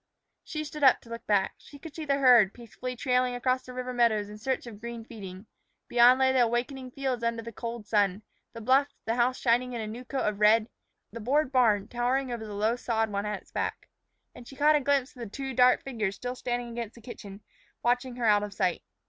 She stood up to look back. She could see the herd, peacefully trailing across the river meadows in search of green feeding. Beyond lay the awakening fields under the cold sun, the bluff, the house shining in a new coat of red, the board barn towering over the low sod one at its back. And she caught a glimpse of the two dark figures still standing against the kitchen, watching her out of sight.